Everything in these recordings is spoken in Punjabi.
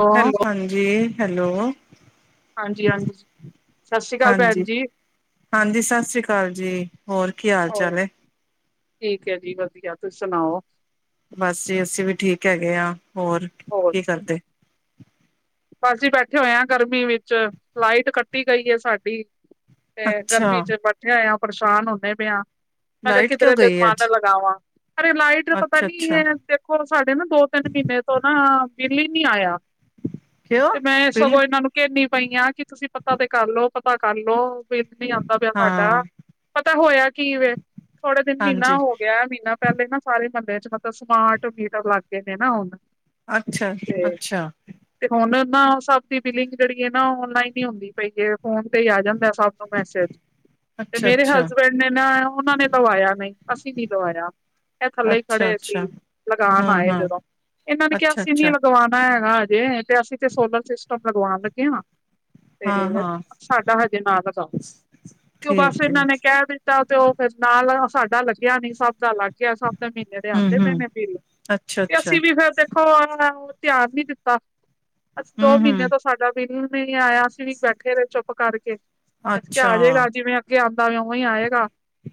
ਹਾਂ ਹੈਲੋ ਹਾਂਜੀ ਹੈਲੋ। ਹਾਂਜੀ-ਹਾਂਜੀ ਸਤਿ ਸ੍ਰੀ ਅਕਾਲ ਭੈਣ ਹਾਂਜੀ ਜੀ। ਹਾਂਜੀ ਸਤਿ ਸ਼੍ਰੀ ਅਕਾਲ ਜੀ। ਹੋਰ ਕੀ ਹਾਲ ਹੋਰ ਚਾਲ ਏ? ਠੀਕ ਏ ਜੀ ਵਧੀਆ, ਤੁਸੀਂ ਸੁਨਾਓ। ਬਸ ਜੀ, ਅਸੀ ਵੀ ਠੀਕ ਹੈਗੇ ਆਂ। ਹੋਰ ਹੋਰ ਕੀ ਕਰਦੇ? ਬਸ ਜੀ ਬੈਠੇ ਹੋਏ ਆਂ ਗਰਮੀ ਵਿਚ, ਲਾਈਟ ਕੱਟੀ ਗਈ ਏ ਸਾਡੀ। ਤੇ ਅੱਛਾ ਗਰਮੀ ਚ ਬੈਠੇ ਹੋਏ ਆ, ਪਰਸ਼ਾਨ ਹੋਨੇ ਪੇਆਂ। ਮੈਂ ਕੇਆ ਲਾਈਟ ਕਿਦਰੇ ਕਿਉਂ ਤੇ ਗਈ ਮਨ ਅੱਜ ਲਗਾਵਾਂ। ਅਰੇ ਲਾਈਟ ਦਾ ਪਤਾ ਅੱਛਾ ਨੀ ਅੱਛਾ ਐ ਦੇਖੋ ਸਾਡੇ ਨਾ ਦੋ-ਤਿੰਨ ਮੀਨੇ ਤੋਂ ਨਾ ਬਿੱਲ ਈ ਨੀ ਆਏਆ। ਕਿਉਂ ਤੇ ਮੈਂ ਬਿੱਲ ਸਗੋਂ ਏਨਾਂ ਨੂੰ ਕੇਨੀ ਪਈ ਆਂ ਕਿ ਤੁਸੀ ਪਤਾ ਤੇ ਕਰ ਲੋ ਪਤਾ ਕਰ ਲੋ ਬਿਲ ਨੀ ਆ ਦਾ ਪੇਆ ਸਾਡਾ। ਹਾਂ ਪਤੈ ਹੋਏਆ ਕੀਵੇ ਥੋੜੇ ਦਿਨ ਮੀਨਾ ਹਾਂਜੀ ਹੋ ਗੇਆ ਮੀਨਾ ਪੈਲੇ ਨਾ ਸਾਰੇ ਮੱਲੇ ਚ ਮਤਲਬ ਸਮਾਰਟ ਮੀਟਰ ਲੱਗ ਗਏ ਨੇ ਨਾ ਹੁਨ। ਅੱਛਾ ਅੱਛਾ। ਤੇ ਹੁਨ ਨਾ ਸਬ ਦੀ ਬਿਲਿੰਗ ਜੇੜੀ ਏ ਨਾ ਔਨਲਾਈਨ ਈ ਹੁੰਦੀ ਪਈ ਏ। ਫੋਨ ਤੇ ਈ ਆ ਜਾਂਦੈ ਸਭ ਨੂੰ ਮੈਸੇਜ। ਤੇ ਅੱਛਾ ਮੇਰੇ ਅੱਛਾ ਹਸਬੈਂਡ ਨੇ ਨਾ ਓਨਾ ਨੇ ਲਵਾਏਆ ਨੀ, ਅਸੀ ਨੀ ਲਵਾਏਆ। ਅਐ ਥੱਲੇ ਈ ਅੱਛਾ ਖੜ੍ਹੇ ਸੀ। ਅੱਛਾ ਲਗਾਨ ਹਾਂ ਆਏ ਹਾਂ ਜਦੋ਼, ਏਨਾਂ ਨੇ ਕੇਆ ਅੱਛਾ ਅਸੀ ਨੀ ਅੱਛਾ ਲਗਵਾਨਾ ਹੈਗਾ ਹਜੇ, ਤੇ ਅਸੀ ਤੇ ਸੋਲਰ ਸਿਸਟਮ ਲਗਵਾਨ ਲੱਗੇ ਆਂ। ਹਾਂ ਤੇ ਹਾਂ ਸਾਡਾ ਹਜੇ ਨਾ ਲਗਾਓ। ਤੇ ਓ ਬਸ ਠੀਕ ਹੈ ਏਨਾਂ ਨੇ ਕੈ ਦਿ ਚਾ ਤੇ ਓ ਫੇਰ ਨਾਲ ਹ ਸਾਡਾ ਲੱਗਿਆਂ ਨੀ ਸਭ ਦਾ ਲਾ ਗਿਆ ਸਭ ਦੇ ਮ੍ਹੀਨੇ ਦੇ ਹਮ ਆਂਦੇ ਪਏ ਹਮ ਨੇ ਬਿੱਲ ਅੱਛਾ ਤੇ ਅੱਛਾ ਅਸੀਂ ਵੀ ਫੇਰ ਦੇਖੋ ਧਿਆਨ ਨੀ ਦਿੱਤਾ। ਅੱਛ ਦੋ ਹਮ ਹਮ ਮ੍ਹੀਨਿਆਂ ਤੋਂ ਸਾਡਾ ਬਿੱਲ ਵੀ ਨੀ ਆਇਆ ਅਸੀਂ ਵੀ ਬੈਠੇ ਰਏ ਚੁੱਪ ਕਰਕੇ। ਅਸੀਂ ਕੇਆ ਅੱਛਾ ਆਜੇਗਾ ਜਿਵੇਂ ਅੱਗੇ ਆਂਦਾ ਇਵੇਂ ਉਵੇਂ ਈ ਆਏਗਾ।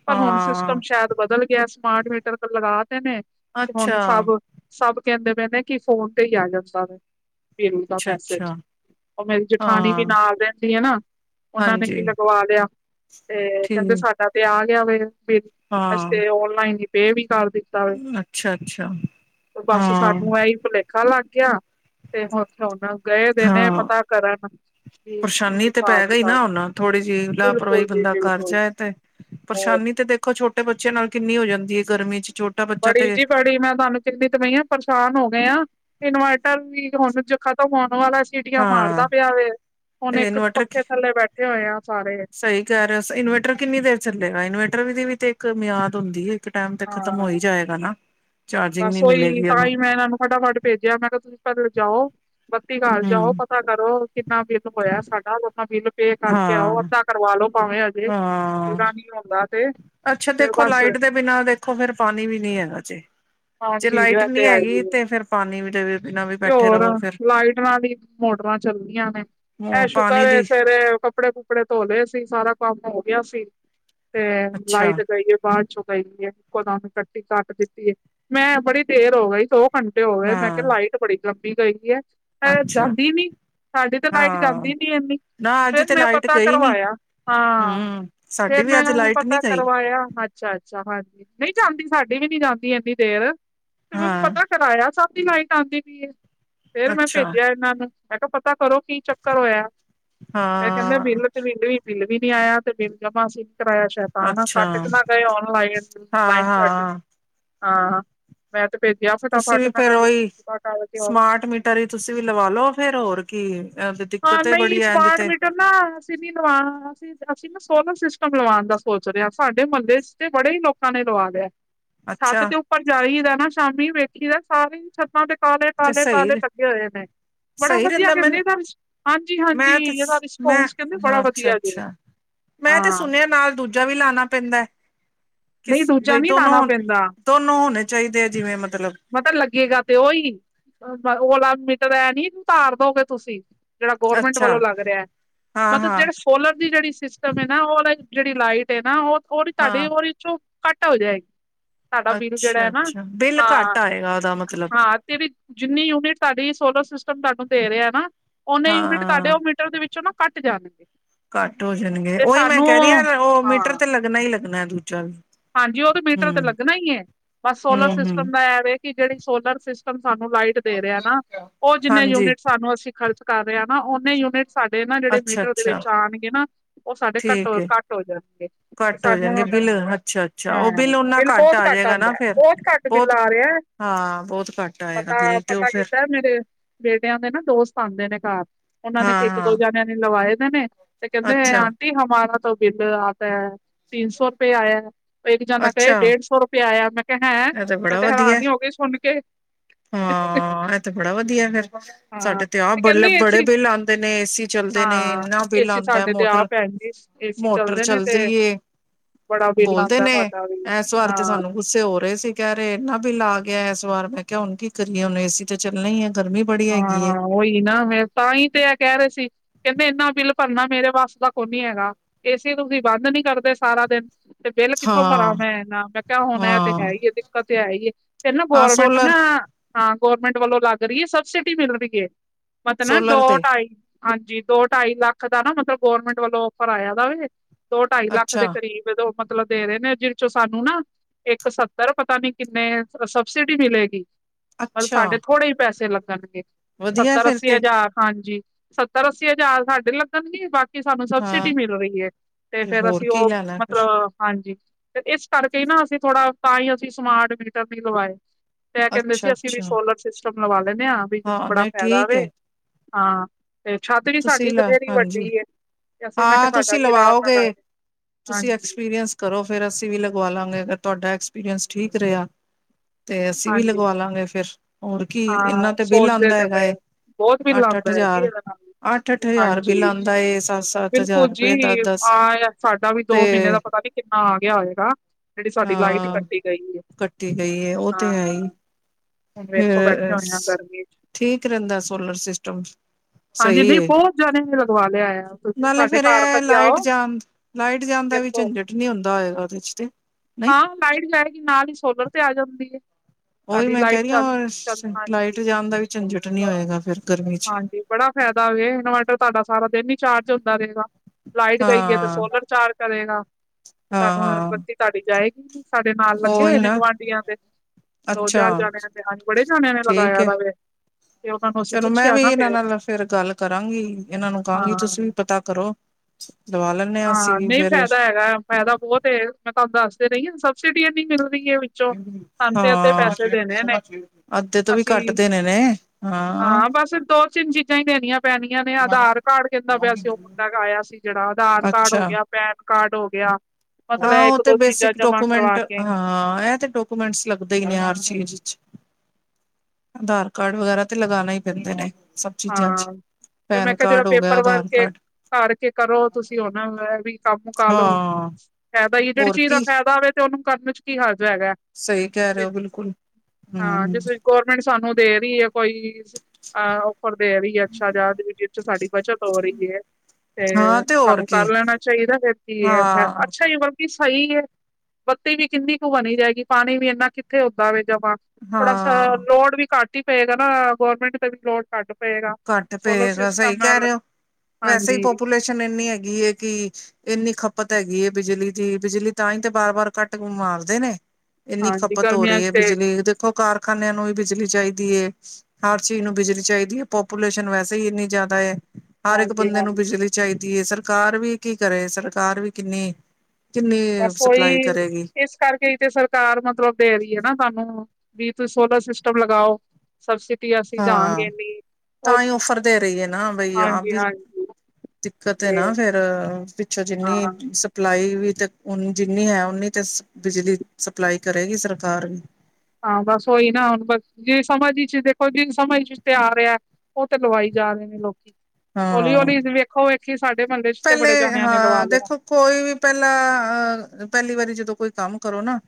ਪਰ ਹੁਣ ਹਾਂ ਸਿਸਟਮ ਸ਼ਾਇਦ ਬਦਲ ਗਿਆ ਸਮਾਰਟ ਮੀਟਰ ਲਗਾਤੇ ਨੇ ਅੱਛਾ ਤੇ ਹੁਣ ਅੱਛਾ ਸਭ ਸਭ ਕੈਂਦੇ ਪੇ ਨੇ ਕਿ ਫ਼ੋਨ ਤੇ ਈ ਆ ਜਾਂਦਾ ਵੇ। ਫੇਰ ਉਸਦਾ ਮੈਸੇਜ, ਅੱਛਾ ਓ ਮੇਰੀ ਜਠਾਣੀ ਹਾਂ ਵੀ ਨਾਲ ਰੈਂਦੀ ਏ ਨਾ। ਉਨਾਂ ਨੇ ਹਾਂਜੀ ਵੀ ਲਗਵਾ ਲਿਆ ਤੇ ਕੈਂਦੇ ਠੀਕ ਸਾਡਾ ਤੇ ਆ ਗਿਆ ਵੇ ਬਿੱਲ ਅਸੀਂ ਹਾਂ ਤੇ ਔਨਲਾਈਨ ਈ ਪੇ ਵੀ ਕਰ ਦਿੱ ਤਾ ਵੇ, ਅੱਛਾ-ਅੱਛਾ ਬਸ ਹਾਂ ਸਾਨੂੰ ਐਈ ਭੁਲੇਖਾ ਲਾ ਗਿਆ ਤੇ ਹਰਸ ਹੁਣ ਗਏ ਦੇ ਨੇ ਹਾਂ ਪਤਾ ਕਰਨ। ਵੀ ਕੀ ਪਰੇਸ਼ਾਨੀ ਤੇ ਹਿਸਾਬ ਪੈ ਗਈ ਕਿਤਾਬ ਨਾ ਹੁਣ ਥੋੜੀ ਜੀ ਲਾਪਰਵਾਈ ਬਿਲਕੁਲ ਜੀ ਬੰਦਾ ਕਰ ਬਿਲਕੁਲ ਜਾਏ ਤੇ ਹੋਰ ਪਰੇਸ਼ਾਨੀ ਤੇ ਦੇਖੋ ਛੋਟੇ ਬੱਚਿਆਂ ਨਾਲ ਕਿੰਨੀ ਹੋ ਜਾਂਦੀ ਏ ਗਰਮੀ ਚ ਛੋ ਬੜੀ ਜੀ ਬੜੀ ਮੈਂ ਤੁਹਾਨੂੰ ਚੀਰ ਨੀ ਤੇ ਨਈ ਆ ਪਰੇਸ਼ਾਨ ਹੋ ਗਏ ਆ ਇਨਵਟਰ ਵੀ ਹੁਣ ਚ ਖ਼ਤਮ ਹੋਣ ਵਾਲਾ ਸੀਟੀਆਂ ਹਾਂ ਮਾਰਦਾ ਪਿਆ ਵੇ ਹੁਣ ਤੇ ਇੱਕ ਪੱਖੇ ਥੱਲੇ ਬੈਠੇ ਹੋਏ ਆ ਸਾਰੇ। ਸਈ ਕੈ ਰੇ ਓ ਸ ਇਨਵਟਰ ਕਿੰਨੀ ਦੇਰ ਚੱਲੇਗਾ ਇਨਵਟਰ ਦੀ ਵੀ ਤੇ ਇੱਕ ਮਿਆਦ ਹੁੰਦੀ ਏ ਇੱਕ ਟੈਮ ਤੇ ਖ਼ਤਮ ਹਾਂ ਹੋਈ ਜਾਏਗਾ ਨਾ‌। ਬਸ ਉਈ ਤਾਂ ਈ ਮੈਂ ਇਨਾਂ ਨੂੰ ਫਟਾਫਟ ਭੇਜਿਆ ਮੈਂ ਕੇਆ ਤੁਸੀਂ ਪੈਲੇ ਜਾਓ, ਬੱਤੀ ਘਰ ਜਾਓ ਹੂੰ ਪ ਤਾ ਕਰੋ ਕਿੰਨਾ ਬਿੱਲ ਹੋਇਆ ਸਾਡਾ ਉਨਾ ਬਿੱਲ ਪੇ ਕਰਕੇ ਹਾਂ ਆਓ ਅੱਧਾ ਕਰਵਾ ਲੋ ਭਾਵੇਂ ਪੇ, ਹਾਂ ਪੂਰਾ ਨੀ ਹੁੰਦਾ ਤੇ। ਅੱਛਾ ਫਿਰ ਦੇਖੋ ਬਸ ਲਾਈਟ ਦੇ ਬਿਨਾਂ ਦੇਖੋ ਫੇਰ ਪਾਣੀ ਵੀ ਨੀ ਹੈਗਾ ਜੇ। ਜੇ ਹਾਂਜੀ ਲਾਈਟ ਇਹ ਨੀ ਤੇ ਹੈ ਹੈਗੀ ਹੀ ਹੈ, ਤੇ ਫੇਰ ਪਾਣੀ ਦ ਵੀ ਬਿਨਾਂ ਵੀ ਤੇ ਬੈਠੇ ਹੋਰ ਰਹੋ ਫੇਰ ਲਾਈਟ ਨਾਲ ਈ ਮੋਟਰਾਂ ਚੱਲਨੀਆਂ ਨੇ। ਹ ਐ ਪਾਣੀ ਸ਼ੁਕਰ ਏ ਦੀ ਸਵੇਰੇ ਕੱਪੜੇ ਕੁ ਪੜੇ ਧੋ ਲਏ ਸੀ ਸਾਰਾ ਕੰਮ ਹੋ ਗਿਆ ਸੀ 'ਤੇ ਅੱਛਾ ਲਾਈਟ ਗਈ ਏ ਬਾ ਚੋਂ ਗਈ ਏ ਇੱਕੋਦਮ ਕੱਟੀ ਕੱਟ ਦਿੱਤੀ ਏ ਮੈਂ ਬੜੀ ਦੇਰ ਹੋ ਗਈ ਸੋ ਘੰਟੇ ਹੋ ਗਏ ਮੈਂ ਕੇਆ ਹਾਂ ਲਾਈਟ ਬੜੀ ਲੰਮਬੀ ਗਈ ਐ, ਐ ਅੱਛਾ ਜਾਂਦੀ ਨੀ। ਸਾਡੀ ਤੇ ਲਾਈਟ ਹਾਂ ਜਾਂਦੀ ਨੀ ਐਨੀ ਨਾ ਅੱਜ ਫੇਰ ਤੇ ਮੈਂ ਲਾਈਟ ਪਤਾ ਗਈ ਨੀ ਕਰਵਾਇਆ ਹਾਂ, ਹਮ ਸਾਡੀ ਫੇਰ ਵੀ ਮੈਂ ਅੱਜ ਲਾਈਟ ਨੀ ਪਤਾ ਗਈ ਕਰਵਾਇਆ ਹਾਂ ਅੱਛਾ-ਅੱਛਾ ਹਾਂਜੀ ਨਈ ਜਾਂਦੀ ਸਾਡੀ ਵੀ ਨੀ ਜਾਂਦੀ ਐਨੀ ਦੇਰ, ਫੇਰ ਮੈਂ ਹਾਂ ਪਤਾ ਕਰਾਇਆ ਸਭ ਦੀ ਲਾਈਟ ਆਂਦੀ ਪੀ ਏ ਫੇਰ ਮੈਂ ਅੱਛਾ ਭੇਜਿਆ ਏਨਾਂ ਨੂੰ ਮੈਂ ਕੇਆ ਪਤਾ ਕਰੋ ਕੀ ਚੱਕਰ ਹੋਇਆ, ਫੇਰ ਕੈਂਦੇ ਹਾਂ ਬਿੱਲ ਤੇ ਬਿੱਲ ਵੀ, ਬਿੱਲ ਵੀ ਨੀ ਆਇਆ ਤੇ ਬਿੱਲ ਜਮਾ ਸੀ ਕਰਾਇਆ ਸੈਤਾਨ ਅੱਛਾ ਕੱਟ ਨਾ ਗਏ ਹੋਣ ਔਨ ਲਾਈਨ ਹਾਂ ਲਾਈਟ ਕੱਟ, ਹਾਂ ਹਾਂ ਮੈਂ ਤੇ ਭੇਜਿਆ ਤੁਸੀਂ ਫਟਾਫਟ ਵੀ ਮੈਂ ਕੇਆ ਫੇਰ ਤੁਸੀਂ ਉਹੀ ਕਰਕੇ ਆਓ ਸਮਾਰਟ ਮੀਟਰ ਵੀ ਤੁਸੀਂ ਵੀ ਲਵਾ ਲੋ ਫੇਰ ਹੋਰ ਕੀ ਹਾਂ ਦਿੱਕਤ ਹੀ ਨਈ ਬੜੀ ਇੰਝ ਸਮਾਰਟ ਤੇ ਮੀਟਰ ਨਾ ਅਸੀਂ ਨੀ ਲਵਾਂ ਅਸੀ ਅਸੀਂ ਨਾ ਸੋਲਰ ਸਿਸਟਮ ਲਵਾਣ ਦਾ ਸੋਚ ਰੇ ਆ ਸਾਡੇ ਮੁਹੱਲੇ ਚ ਤੇ ਬੜੇ ਈ ਲੋਕਾਂ ਨੇ ਲਵਾ ਲਿਆ ਐ। ਛੱਤ ਅੱਛਾ ਤੇ ਉੱਪਰ ਜਾਈ ਦੈ ਨਾ ਸ਼ਾਮੀ ਵੇਖੀ ਦੈ ਸਾਰੇ ਈ ਛੱ ਨਾ ਦੇ ਤੇ ਕਾਲੇ-ਕਾਲੇ-ਕਾਲੇ ਸਹੀ ਲੱਗੇ ਹੋਏ ਨੇ ਬੜਾ ਸਹੀ ਵਧੀਆ ਰਹਿੰਦਾ ਮੈਂ ਕੈਂਦੇ ਏ ਤਾਂ ਮੈਂ ਤੇ ਸ ਮੈਂ ਕਹਿੰਦੇ ਬੜਾ ਹਾਂ ਵਧੀਆ ਜੇ ਅੱਛਾ-ਅੱਛਾ, ਮੈਂ ਤੇ ਹਾਂ ਸੁਣਿਆ ਨਾਲ ਦੂਜਾ ਵੀ ਲਾਣਾ ਪੈਂਦਾ ਕਿਸ ਨਹੀਂ ਦੂਜਾ ਬਈ ਨੀ ਦੋਨੋ ਲਾਉਣਾ ਹੁਣ ਪੈਂਦਾ ਦੋਨੋ ਹੋਣੇ ਚਾਈਦੇ ਐ ਜਿਵੇਂ ਮਤਲਬ ਪਤਾ ਲੱਗੇਗਾ ਤੇ ਉਈ ਓ ਆਲਾ ਮੀਟਰ ਐ ਨੀ ਉਤਾਰ ਦੋਗੇ ਤੁਸੀਂ ਜੇੜਾ ਗੌਰਮੈਂਟ ਅੱਛਾ ਵੱਲੋਂ ਲੱਗ ਰੇਆ ਐ ਹਾਂ ਮਤਲਬ ਹਾਂ ਜੇੜੇ ਸੋਲਰ ਦੀ ਜੇੜੀ ਸਿਸਟਮ ਏ ਨਾ ਓਹ ਜੇੜੀ ਲਾਈਟ ਏ ਨਾ ਓਹ ੳਦੀ ਤੁਹਾਡੀ ਹਾਂ ਓਰੀ ਚੋ ਘੱਟ ਹੋ ਜਾਏਗੀ ਸਾਡਾ ਬਿਲ ਜੇੜਾ ਅੱਛਾ ਐ ਨਾ, ਅੱਛਾ ਬਿੱਲ ਘੱਟ ਆਏਗਾ ਉਹਦਾ ਮਤਲਬ ਹਾਂ-ਹਾਂ ਤੇ ਵੀ ਜਿੰਨੀ ਯੂਨਿਟ ਤਾਡੀ ਸੋਲਰ ਸਿਸਟਮ ਤਾਨੂੰ ਦੇ ਰੇਆ ਨਾ ਓਨੇ ਯੂਨਿਟ ਤਾਡੇ ਹਾਂ ੳਹ ਮੀਟਰ ਦੇ ਵਿੱਚੋਂ ਨਾ ਕੱਟ ਜਾਣਗੇ। ਘੱਟ ਹੋ ਜਾਣਗੇ ਤੇ ੳਈ ਮੈਂ ਸਾਨੂੰ ਕੈ ਰਈ ਆ, ਓਹ ਹਾਂ ਮੀਟਰ ਤੇ ਲੱਗਣਾ ਈ ਲੱਗਣਾ ਦੂਜਾ ਵੀ। ਹਾਂਜੀ ਓਹ ਤਾਂ ਮੀਟਰ ਤੇ ਹੂੰ ਲੱਗਨਾ ਈ ਏ, ਬਸ ਸੋਲਰ ਹੂੰ ਹੂੰ ਸਿਸਟਮ ਦਾ ਐ ਵੇ ਕਿ ਜੇੜੀ ਸੋਲਰ ਸਿਸਟਮ ਸਾਨੂੰ ਲਾਈਟ ਦੇ ਰੈਆ ਐ ਨਾ, ਓਹ ਜਿਨੇ ਹਾਂਜੀ ਯੂਨਿਟ ਸਾਨੂੰ ਅਸੀਂ ਖਰਚ ਕਰ ਰਏ ਆਂ ਨਾ ਓਨੇ ਯੂਨਿਟ ਸਾਡੇ ਨਾ ਜੇੜੇ ਅੱਛਾ ਮੀਟਰ ਦੇ ਅੱਛਾ ਵਿੱਚ ਆਣਗੇ ਨਾ ਓਹ ਸਾਡੇ ਘੱਟ ਠੀਕ ਹੈ ਘੱਟ ਹੋ ਜਾਣਗੇ ਤੇ ਘੱਟ ਹੋ ਸਾਨੂੰ ਜਾਣਗੇ ਹੁਣ ਬਿੱਲ ਅੱਛਾ ਅੱਛਾ ਉਹ ਹੂੰ, ਓਨਾ ਬਿੱਲ ਬੋਤ ਆ ਘੱਟ ਜਾਏਗਾ ਨਾ ਆਂਦਾ, ਫੇਰ ਬੋਤ ਘੱਟ ਬਿੱਲ ਬਹੁਤ ਆ ਰੇਆ ਹਾਂ ਬੋਤ ਘੱਟ ਆ ਪਤਾ-ਪਤਾ ਕੀਤਾ ਮੇਰੇ ਬੇਟੇਆਂ ਦੇ ਨਾ ਦੋਸਤ ਆਂਦੇ ਨੇ ਘਰ ੲਨਾਂ ਨੇ ਹਾਂ ਇੱਕ-ਦੋ ਹਾਂ ਜਾਣੇਆਂ ਨੇ ਲਵਾਏ ਦੇ ਨੇ ਤੇ ਕੈਂਦੇ ਆ ਅੱਛਾ ਆਂਟੀ ਹਮਾਰਾ ਤੋ ਬਿੱਲ ਆਤਾ ਹੈ ਤੀਨ ਸੌ ਰੁਪਏ ਆਏਆ ਹੈ। ਇੱਕ ਜਣਾ ਕਹੇ ਅੱਛਾ, ਡੇਢ ਸੌ ਰੁਪਏ ਆਏਆ। ਮੈਂ ਕੈਆ, ਹੈਂ! ਇਹ ਮੈਂ ਬੜਾ ਤੇ ਵਧੀਆ। ਹੈਰਾਨ ਈ ਹੋ ਗਈ ਸੁਨ ਕੇ। ਹਾਂ, ਏਹ ਤੇ ਬੜਾ ਵਧੀਆ ਫੇਰ, ਹਾਂ ਸਾਡੇ ਤੇ ਆਹ ਬੇਲ ਕਹਿੰਦੇ ਬੜੇ ਏਸੀ ਬਿੱਲ ਆਂਦੇ ਨੇ ਏਸੀ ਚੱਲਦੇ ਨੇ ਹਾਂ ਏਨਾ ਬਿੱਲ ਏਸੀ ਆਂਦਾ ਏ, ਸਾਡੇ ਤੇ ਆ ਮੋਟਰ, ਭੈਣ ਜੀ ਏਸੀ ਮੋਟਰ ਚੱਲਦੇ ਨੇ ਚਲਦੀ ਤੇ ਏ ਬੜਾ ਬਿੱਲ ਬੋਲਦੇ ਆਉਂਦਾ ਨੇ, ਸਾਡਾ ਵੀ ਐਸ ਵਾਰ ਤੇ ਹਾਂ ਸਾਨੂੰ ਗੁੱਸੇ ਹੋ ਰਏ ਸੀ, ਕੈ ਰੈ ਏਨਾ ਬਿੱਲ ਆ ਗਿਆ ਇਸ ਵਾਰ। ਮੈਂ ਕੈਆ ਹੁਣ ਕੀ ਕਰੀਏ ਹੁਣ ਏਸੀ ਤੇ ਚੱਲਨਾ ਈ ਏ, ਗਰਮੀ ਬੜੀ ਹੈਗੀ ਏ। ੳਈ ਨਾ ਫੇਰ ਤਾਂਈ ਤੇ ਐ ਕੈ ਰੈ ਸੀ ਕੈਂਦੇ ਏਨਾ ਬਿੱਲ ਭਰਨਾ ਮੇਰੇ ਵਸ ਦਾ ਕੋਨੀ ਹੈਗਾ, ਏਸੀ ਤੁਸੀ ਬੰਦ ਨੀ ਕਰਦੇ ਸਾਰਾ ਦਿਨ। ਤੇ ਬਿੱਲ ਕਿੱਥੋਂ ਭਰਾਂ ਹਾਂ, ਮੈਂ ਏਨਾ। ਮੈਂ ਕੈਆ ਹੋਣ ਐ ਤੇ ਹਾਂ, ਹੈਈ ਏ ਦਿੱਕਤ ਤੇ ਹੈਈ ਏ। ਫੇਰ ਨਾ ਹਾਂ ਗੋਰਮੈਂਟ ਸੋਲਰ ਨਾ ਹਾਂ ਗੌਰਮੈਂਟ ਵੱਲੋਂ ਲੱਗ ਰਈ ਏ, ਸਬਸਿਡੀ ਮਿਲ ਰਈ ਏ, ਮਤਲਬ ਨਾ ਦੋ, ਸੋਲਰ ਤੇ ਢਾਈ ਹਾਂਜੀ ਦੋ, ਢਾਈ ਲੱਖ ਦਾ ਨਾ ਮਤਲਬ ਗੋੌਰਮੈਂਟ ਵੱਲੋਂ ਔਫਰ ਆਏਆ ਦਾ ਵੇ। ਦੋ, ਢਾਈ ਲੱਖ ਅੱਛਾ, ਦੇ ਕਰੀਬ ਮਤਲਬ ਦੇ ਰੇ ਨੇ, ਜਿਦੇ ਚੋਂ ਸਾਨੂੰ ਨਾ ਇੱਕ ਸੱਤਰ ਪਤਾ ਨੀ ਕਿਨੇ ਸਬਸਿਡੀ ਮਿਲੇਗੀ। ਮਤਲਬ ਅੱਛਾ ਸਾਡੇ ਥੋੜੇ ਈ ਪੈਸੇ ਲੱਗਣਗੇ, ਵਧੀਆ ਸੱਤਰ, ਫੇਰ ਅੱਸੀ ਤੇ ਹਜਾਰ ਹਾਂਜੀ, ਸੱਤਰ-ਅੱਸੀ ਹਜਾਰ ਸਾਡੇ ਲੱਗਣਗੇ ਬਾਕੀ ਸਾਨੂੰ ਸਬਸਿਡੀ ਹਾਂ, ਮਿਲ ਰਈ ਏ ਤੇ ਫੇਰ ਹੋਰ ਅਸੀ ਕੀ ੳਹ ਲੈਣਾ ਫਿਰ। ਮਤਲਬ ਹਾਂਜੀ ਤੇ ਏਸ ਕਰਕੇ ਈ ਨਾ ਅਸੀ ਥੋੜਾ ਤਾਂਈ ਅਸੀ ਸਮਾਰਟ ਮੀਟਰ ਨਈ ਲਵਾਏ। ਤੇ ਐ ਕੈਂਦੇ ਅੱਛਾ, ਸੀ ਅਸੀ ਵੀ ਅੱਛਾ ਸੋਲਰ ਸਿਸਟਮ ਲਵਾ ਲੈਂਨੇ ਆ ਬਈ ਹਾਂ ਬੜਾ ਨਹੀਂ ਫੈਦਾ ਠੀਕ ਵੇ। ਏ। ਹਾਂ। ਤੇ ਛੱਤ ਵੀ ਤੁਸੀਂ ਸਾਡੀ ਲੈ ਬਥੇਰੀ ਹਾਂਜੀ ਵੱਡੀ ਏ ਤੇ ਅਸੀ ਮੈਂ ਕੇਆ ਸਾਡਾ ਵੀ ਆਰਾਮ ਨਾਲ ਲਗ ਤੁਸੀ ਐਕਸਪੀਰੀਅੰਸ ਕਰੋ ਫੇਰ ਅਸੀ ਵੀ ਲਗਵਾ ਲਾਂਗੇ। ਅਗਰ ਤੁਹਾਡਾ ਐਕਸਪੀਰੀਅੰਸ ਠੀਕ ਰੇਆ ਤੇ ਅਸੀ ਵੀ ਹਾਂਜੀ ਲਗਵਾ ਲਾਂਗੇ ਫੇਰ, ਹੋਰ ਕੀ, ਏਨਾਂ ਤੇ ਬਿੱਲ ਆਂਦਾ ਹੈਗਾ। ਬੋਤ ਬਿਲ ਅੱਠ ਅੱਠ ਆਂਦਾ ਜੀ ਹਜ਼ਾਰ ਏਦੇ ਨਾਲ। ਅੱਠ ਅੱਠ ਹਜ਼ਾਰ ਬਿੱਲ ਹਾਂਜੀ ਆਉਂਦਾ ਏ ਸੱਤ ਸੱਤ ਬਿਲਕੁਲ ਹਜ਼ਾਰ ਜੀ। ਰੁਪਏ ਦਸ ਦਸ ਆਯਾ ਸਾਡਾ ਵੀ ਦੋ ਤੇ ਮੀਨੇ ਦਾ ਪਤਾ ਨੀ ਕਿਨਾ ਆ ਗੇਆ ਹੋਏਗਾ ਜੇੜੀ ਸਾਡੀ ਲਾਈਟ ਈ ਕੱਟੀ ਗਈ ਏ। ਕਟੀ ਗਈ ਏ, ੳਹ ਤੇ ਹੈ ਈ। ਹਾਂ ਹੁਣ ਵੇਖੋ ਬੈਠੇ ਹੋਏ ਆ ਗਰਮੀ ਚ। ਠੀਕ ਰੇਂਦਾ ਸੋਲਰ ਸਿਸਟਮ ਹਾਂਜੀ ਨਹੀਂ ਸਹੀ ਬਹੁਤ ਜਾਣੇ ਨੇ ਲਗਵਾ ਲਿਆ ਆ, ਤੁਸੀਂ ਨਾਲੇ ਸਾਡੇ ਫੇਿਰ ਘਰ ਇਹ ਕਦੀ ਲਾਈਟ ਆਓ ਜਾਮ ਲਾਈਟ ਜਾਮ ਦਾ ਵੀ ਦੇਖੋ। ਝੰਜਟ ਨੀ ਹੁੰਦਾ ਹੋਏਗਾ ਉਹਦੇ ਚ ਤੇ ਨਹੀਂ ਹਾਂ ਲਾਈਟ ਜਾਏਗੀ ਨਾਲ ਹੀ ਸੋਲਰ ਤੇ ਆ ਜਾਂਦੀ ਹੈ। ਉਹੀ ਮੈਂ ਕਹਿ ਰਹੀ ਹਾਂ ਲਾਈਟ ਹਾਂਜੀ। ਜਾਣ ਦਾ ਵੀ ਝੰਜਟ ਨਹੀਂ ਹੋਏਗਾ ਫੇਰ ਹਾਂਜੀ ਬੜਾ ਫਾਇਦਾ ਵਵੇ ਇਨਵਰਟਰ ਤੁਹਾਡਾ ਸਾਰਾ ਦਿਨ ਹੀ ਚਾਰਜ ਹੁੰਦਾ ਰਹੇਗਾ। ਲਾਈਟ ਗਈ ਹੈ ਤੇ ਹਾਂ ਸੋਲਰ ਚਾਰਜ ਕਰੇਗਾ, ਤੇ ਹਾਂ ਤੁਹਾਨੂੰ ਹਾਂ ਬੱਤੀ ਤੁਹਾਡੀ ਜਾਏਗੀ ਸਾਡੇ ਨਾਲ ਲੱਗੇ ਉਹੀ ਹੋਏ ਨੇ ਨਾ ਗੁਆਂਢੀਆਂ ਦੇ ਦੋ ਅੱਛਾ ਚਾਰ ਜਾਣਿਆਂ ਤੇ ਹਜੀ ਬੜੇ ਜਾਣਿਆਂ ਨੇ ਠੀਕ ਲਗਾਇਆ ਹੈ ਦਾ ਵੇ, ਤੇ ਉਹਨਾਂ ਨੂੰ ਅਸੀਂ ਚਲੋ ਮੈਂ ਪੁੱਛਿਆ ਵੀ ਨਾ ਇਹਨਾਂ ਨਾਲ ਫੇਰ ਗੱਲ ਕਰਾਂਗੀ, ਇਹਨਾਂ ਨੂੰ ਹਾਂ ਕਹਾਂਗੀ ਤੁਸੀਂ ਵੀ ਪਤਾ ਕਰੋ। ਦਵਾਲ ਹਾਂ ਨਹੀਂ ਫਾਇਦਾ ਹੈਗਾ ਫਾਇਦਾ ਬਹੁਤ ਇਹ, ਮੈਂ ਤੁਹਾਨੂੰ ਦੱਸ ਤੇ ਰਹੀ ਹਾਂ ਸਬਸਿਡੀ ਐਨੀ ਮਿਲ ਰਹੀ ਹੈ ਵੀ ਹਾਂ ਅੱਧੇ ਤੋਂ ਵੀ ਅਸੀਂ ਘੱਟ ਦੇਣੇ ਨੇ। ਹਾਂ ਬਸ ਦੋ ਤਿੰਨ ਚੀਜ਼ਾਂ ਹੀ ਦੇਣੀਆਂ ਪੈਣੀਆਂ ਨੇ, ਆਧਾਰ ਕਾਰਡ ਕਹਿੰਦਾ ਪਿਆ ਸੀ ਉਹ ਮੁੰਡਾ ਆਇਆ ਸੀ। ਜਿਹੜਾ ਆਧਾਰ ਕਾਰਡ ਹੋ ਅੱਛਾ ਗਿਆ, ਪੈਨ ਕਾਰਡ ਹੋ ਗਿਆ। ਹਾਂ ਮਤਲਬ ਉਹ ਇੱਕ ਤੇ ਦੋ ਚੀਜ਼ਾਂ ਬੇਸਿਕ ਜਮਾ ਕਰਵਾ ਡੋਕੂਮੈਂਟ ਕੇ ਹਾਂ ਇਹ ਤੇ ਡੋਕੂਮੈਂਟਸ ਲੱਗਦੇਈ ਨੇ ਹਰ ਚੀਜ਼ ਚ। ਆਧਾਰ ਕਾਰਡ ਵਗੈਰਾ ਤੇ ਲਗਾਣਾ ਹੀ ਪੈਂਦੇ ਨੇ ਸਭ ਚੀਜ਼ਾਂ ਚ ਹਾਂ ਤੇ ਮੈਂ ਪੈਨ ਕਿਹਾ ਜਿਹੜਾ ਕਾਰਡ ਹੋ ਗਿਆ ਪੇਪਰ ਆਧਾਰ ਵਰਕ ਏ ਕਾਰਡ ਕਰ ਕੇ ਕਰੋ ਤੁਸੀਂ ਉਹਨਾ ਵੀ ਕੰਮਕਾਲੋ। ਹਾਂ ਫਾਇਦਾ ਹੀ ਜਿਹੜੀ ਹੋਰ ਚੀਜ਼ ਦਾ ਕੀ ਫਾਇਦਾ ਹੋਵੇ ਤੇ ਉਹਨੂੰ ਕਰਨ ਚ ਕੀ ਹੱਲਜ ਹੈਗਾ। ਸਹੀ ਕਹਿ ਰਹੇ ਹੋ ਬਿਲਕੁਲ ਹਾਂ ਹਮ। ਜਿਸ ਵਿੱਚ ਗੌਰਮੈਂਟ ਸਾਨੂੰ ਦੇ ਰਹੀ ਹੈ ਕੋਈ ਅ ਰ ਦੇ ਰਹੀਏ ਅੱਛਾ ਜਾਦ ਵੀ ਜਿਸ ਚ ਸਾਡੀ ਬੱਚਤ ਹੋ ਰਹੀ ਹੈ। ਤੇ ਹਾਂ ਹੋਰ ਸਾਨੂੰ ਕੀ ਕਰ ਲੈਣਾ ਚਾਹੀਦਾ ਫ ਕੀ ਹਾਂ ਅੱਛਾ ਹੀ ਏ ਮਤਲਬ ਸਹੀ ਹੈ ਬੱਤੀ ਵੀ ਕਿੰਨੀ ਕੁ ਬਣੀ ਜਾਏਗੀ ਪਾਣੀ ਵੀ ਇੰਨਾ ਕਿੱਥੇ ਹੁੰਦਾ ਵ ਜਮਾ। ਥੋੜਾ ਸ ਹਾਂ ਲੋੜ ਵੀ ਘੱਟ ਹੀ ਪਏਗਾ ਨਾ ਗਵਰਮੈਂਟ ਤੇ ਵੀ ਲੋੜ ਘੱਟ ਪਏਗਾ। ਘੱਟ ਸੋਲਰ ਪਏਗਾ ਸਿਸਟਮ ਸਹੀ ਕਹਿ ਨਾਲ ਰਹੇ ਹੋ ਵੈਸੇ ਹੀ ਹਾਂਜੀ ਪੋਪੂਲੇਸ਼ਨ ਇੰਨੀ ਹੈਗੀ ਹੈ ਕਿ ਇੰਨੀ ਖਪਤ ਹੈਗੀ ਹੈ ਬਿਜਲੀ ਦੀ ਬਿਜਲੀ ਤਾਂ ਹੀ ਤੇ ਬਾਰ ਬਾਰ ਘੱਟ ਮਾਰਦੇ ਨੇ। ਇੰਨੀ ਹਾਂਜੀ ਖਪਤ ਹੋ ਗਰਮੀਆਂ ਰਹੀ ਚ ਹੈ ਤੇ ਬਿਜਲੀ ਕਾਰਖਾਨਿਆਂ ਨੂੰ ਵੀ ਬਿਜਲੀ ਚਾਹੀਦੀ ਹੈ। ਹਰ ਚੀਜ਼ ਨੂੰ ਬਿਜਲੀ ਚਾਹੀਦੀ ਹੈ। ਪਾਪੂਲੇਸ਼ਨ ਵੈਸੇ ਹੀ ਇੰਨੀ ਜ਼ਿਆਦਾ ਹੈ ਹਰ ਇੱਕ ਹਾਂਜੀ ਬੰਦੇ ਨੂੰ ਹਾਂਜੀ ਬਿਜਲੀ ਚਾਹੀਦੀ ਹੈ ਸਰਕਾਰ ਵੀ ਕੀ ਕਰੇ ਸਰਕਾਰ ਵੀ ਕਿੰਨੀ ਕਿੰਨੀ ਬਸ ਸਪਲਾਈ ਉਹੀ ਕਰੇਗੀ। ਇਸ ਕਰਕੇ ਤੇ ਸਰਕਾਰ ਮਤਲਬ ਦੇ ਰਹੀ ਹੈ ਨਾ ਤੁਹਾਨੂੰ ਵੀ ਤੁਸੀਂ ਸੋਲਰ ਸਿਸਟਮ ਲਗਾਓ ਸਬਸਿਡੀ ਅਸੀਂ ਹਾਂ ਦਾਂਗੇ ਇੰਨੀ ਉਹ ਤਾਂ ਹੀ ਔਫਰ ਦੇ ਰਹੀ ਹੈ ਨਾ ਬਈ ਆਪ ਹਾਂਜੀ ਵੀ ਹਾਂਜੀ ਦਿੱਕਤ ਤੇ ਨਾ ਫੇਰ ਪਿੱਛੋਂ ਹਾਂ ਜਿੰਨੀ ਸਪਲਾਈ ਵੀ ਤੇ ਜਿੰਨੀ ਹੈ ਓਨੀ ਤੇ ਬਿਜਲੀ ਸਪਲਾਈ ਕਰੇਗੀ ਸਰਕਾਰ ਵੀ। ਹਾਂ ਬਸ ਉਹੀ ਨਾ ਹੁਣ ਬਸ ਜੇ ਸਮਾਂ ਚ ਦੇਖੋ ਜੇ ਸਮਝ ਚ ਤੇ ਆ ਰਿਹਾ। ਉਹ ਤੇ ਲਵਾਈ ਜਾ ਰਹੇ ਨੇ ਲੋਕੀ ਹੌਲੀ ਹਾਂ ਹੌਲੀ ਵੇਖੋ ਵੇਖੀ ਸਾਡੇ ਮੁੰਹਲੇ ਚ ਤੇ ਬੜੇ ਪਹਿਲੇ ਜਾਣਿਆਂ ਨੇ ਲਵਾ ਹਾਂ ਲਿਆ ਦੇਖੋ ਕੋਈ ਵੀ ਪਹਿਲਾਂ ਅ ਪਹਿਲੀ ਵਾਰੀ ਜਦੋਂ ਕੋਈ ਕੰਮ ਕਰੋ ਨਾ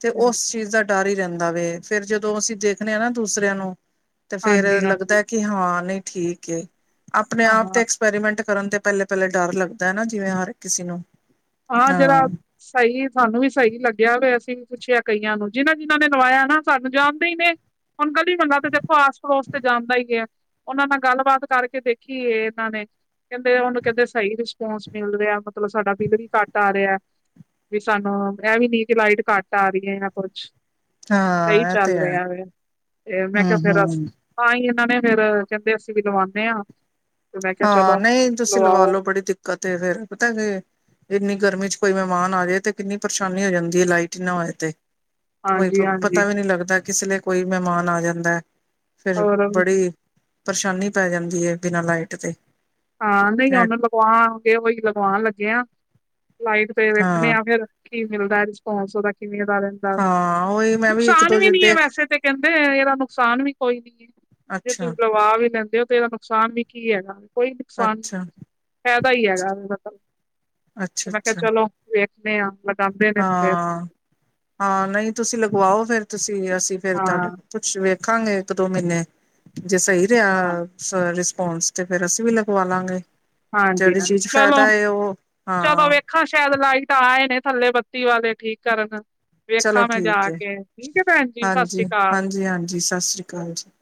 ਤੇ ਹੂੰ, ਉਸ ਚੀਜ਼ ਦਾ ਡਰ ਹੀ ਰਹਿੰਦਾ ਵੇ ਫੇਰ ਜਦੋਂ ਅਸੀਂ ਦੇਖਣੇ ਹ ਨਾ ਦੂਸਰਿਆਂ ਨੂੰ ਤੇ ਫੇਰ ਹਾਂਜੀ ਲੱਗਦਾ ਹਾਂਜੀ ਕਿ ਹਾਂ ਨਹੀਂ ਠੀਕ ਏ, ਆਪਣੇ ਆਪ ਹਾਂ ਤੇ ਐਕਸਪੈਰੀਮੈਂਟ ਕਰਨ ਤੇ ਪਹਿਲੇ ਪਹਿਲੇ ਡਰ ਲੱਗਦਾ ਹੈ ਨਾ ਜਿਵੇਂ ਹਰ ਕਿਸੇ ਨੂੰ। ਹਾਂ ਜਿੜਾ ਸਹੀ ਸਾਨੂੰ ਵੀ ਸਹੀ ਲੱਗਿਆ ਵੀ ਅਸੀਂ ਵੀ ਪੁੱਛਿਆ ਕਈਆਂ ਨੂੰ, ਜਿਹਨਾ, ਜਿਨਾਂ ਨੇ ਨਵਾਇਆ ਨਾ ਸਾਨੂੰ ਜਾਣਦੇ ਹੀ ਨੇ। ਹੁਣ ਕੱਦੀ ਬੰਦਾ ਤੇ ਦੇਖੋ ਆਸ ਪੜੋਸ ਤੇ ਜਾਂਦਾ ਹੀ ਹੈ ਉਹਨਾਂ ਨਾਲ ਗੱਲਬਾਤ ਕਰਕੇ ਦੇਖੀ ਏ, ਇਹਨਾਂ ਨੇ ਕਹਿੰਦੇ ਉਹਨੂੰ ਕਹਿੰਦੇ ਸਹੀ ਰਿਸਪੋਂਸ ਮਿਲ ਰਿਹਾ ਮਤਲਬ ਸਾਡਾ ਬਿੱਲ ਵੀ ਘੱਟ ਆ ਰਿਹਾ, ਵੀ ਸਾਨੂੰ ਇਹ ਵੀ ਨੀ ਕਿ ਲਾਈਟ ਘੱਟ ਆ ਰਹੀ ਹੈ ਜਾਂ ਕੁਛ ਸਹੀ ਹਾਂ ਇਹ ਤੇ ਚੱਲ ਹੈ ਰਿਹਾ ਵੈ, ਫੇਰ ਮੈਂ ਕਿਹਾ ਫੇਰ ਅਸੀ ਹੂੰ-ਹੂੰ ਹਾਂ ਹੀ ਇਹਨਾਂ ਨੇ ਫੇਰ, ਕਹਿੰਦੇ ਅਸੀਂ ਵੀ ਲਵਾਉਂਨੇ ਆਂ ਹਾਂ ਨਹੀਂ ਤੁਸੀਂ ਲਵਾ ਲੋ ਬੜੀ ਦਿੱਕਤ ਫੇਰ ਪਤਾ ਕਿ ਇੰਨੀ ਗਰਮੀ ਚ ਕੋਈ ਮਹਿਮਾਨ ਆ ਜਾਏ, ਤੇ ਕਿੰਨੀ ਪਰੇਸ਼ਾਨੀ ਹੋ ਜਾਂਦੀ ਹੈ ਲਾਈਟ ਨਾ ਹੋਏ ਤੇ ਕੋਈ ਹਾਂਜੀ ਹਾਂਜੀ ਪਤਾ ਵੀ ਨਹੀਂ ਲੱਗਦਾ ਕਿਸ ਲਈ ਕੋਈ ਮਹਿਮਾਨ ਆ ਜਾਂਦਾ ਹੈ ਫਿਰ ਹੋਰ ਬੜੀ ਪਰੇਸ਼ਾਨੀ ਪੈ ਜਾਂਦੀ ਹੈ ਬਿਨਾਂ ਲਾਈਟ ਤੇ ਹਾਂ ਨਹੀਂ ਉਹਨੂੰ ਲਗਵਾਗੇ ਉਈ ਲਗਵਾਉਣ ਲੱਗੇ ਆਂ, ਲਾਈਟ ਤੇ ਵੇਖਣੇ ਆ ਹਾਂ-ਹਾਂ ਫੇਰ ਕੀ ਮਿਲਦਾ ਰਿਸਪੋਂਸ ਉਹਦਾ ਕਿਵੇਂ ਕਾਰਨ ਉਹੀ ਮੈਂ ਇੱਕ ਨੁਕਸਾਨ ਦੋ ਵੀ ਨੀ ਹੈ ਜਿਦੇ ਵੈਸੇ ਤੇ ਕਹਿੰਦੇ, ਇਹਦਾ ਨੁਕਸਾਨ ਵੀ ਕੋਈ ਨੀ ਹੈ ਜੇ ਅੱਛਾ ਤੁਸੀਂ ਲਵਾ ਵੀ ਲੈਂਦੇ ਹੋ ਤੇ ਇਹਦਾ ਨੁਕਸਾਨ ਵੀ ਕੀ ਹੈਗਾ ਕੋਈ ਨੁਕਸਾਨ ਨੀ, ਅੱਛਾ ਫਾਇਦਾ ਹੀ ਹੈਗਾ ਤਾਂ ਮੈਂ ਕਿਹਾ ਅੱਛਾ-ਅੱਛਾ ਚਲੋ ਵੇਖਣੇ ਆ ਲਗਾਉਂਦੇ ਨੇ ਤੇ ਫਿਰ ਹਾਂ ਹਾਂ ਨਹੀਂ ਤੁਸੀਂ ਲਗਵਾਓ ਫੇਰ ਤੁਸੀਂ, ਅਸੀਂ ਫਿਰ ਹਾਂ ਤੁਹਾਡੇ ਕੁੱਛ ਵੇਖਾਂਗੇ ਇੱਕ ਦੋ ਮਹੀਨੇ ਜੇ ਸਹੀ ਹਾਂ ਰਿਹਾ ਰਿਸਪੋਂਸ ਤੇ ਫੇਰ ਅਸੀਂ ਵੀ ਲਗਵਾ ਲਾਂਗੇ ਹਾਂਜੀ ਜਿਹੜੀ ਚੀਜ਼ ਫਾਇਦਾ ਹੈ ਉਹ, ਹਾਂ ਦੇਖਾਂ ਸ਼ਾਇਦ ਲਾਈਟ ਆਏ ਨੇ ਥੱਲੇ ਬੱਤੀ ਵਾਲੇ ਠੀਕ ਕਰਨ ਚਲੋ ਵੇਖਾਂ ਮੈਂ ਜਾ ਠੀਕ ਕੇ, ਠੀਕ ਹੈ ਭੈਣ ਜੀ ਸਤਿ ਸ੍ਰੀ ਅਕਾਲ ਜੀ ਹਾਂਜੀ ਸਤਿ ਸ੍ਰੀ ਅਕਾਲ ਹਾਂਜੀ